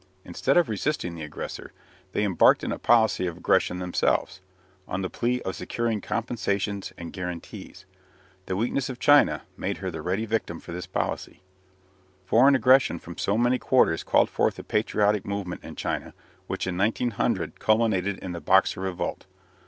Instead of resisting the aggressor, they embarked in a policy of aggression themselves, on the plea of securing compensations and guarantees. The weakness of China made her the ready victim of this policy. Foreign aggression from so many quarters called forth a patriotic movement in China, which in 1900 culminated in the "Boxer" revolt.